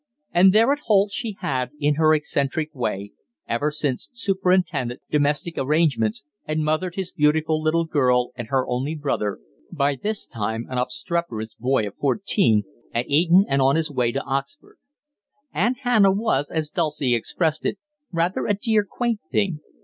And there at Holt she had, in her eccentric way, ever since superintended domestic arrangements and mothered his beautiful little girl and her only brother, by this time an obstreperous boy of fourteen, at Eton and on his way to Oxford. Aunt Hannah was, as Dulcie expressed it, "rather a dear, quaint thing."